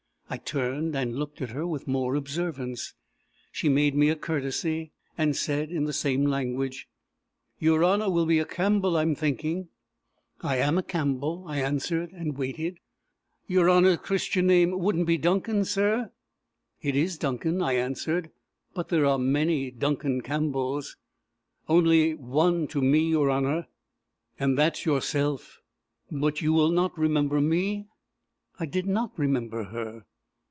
I turned and looked at her with more observance. She made me a courtesy, and said, in the same language: "Your honour will be a Campbell, I'm thinking." "I am a Campbell," I answered, and waited. "Your honour's Christian name wouldn't be Duncan, sir?" "It is Duncan," I answered; "but there are many Duncan Campbells." "Only one to me, your honour; and that's yourself. But you will not remember me?" I did not remember her.